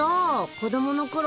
子供のころ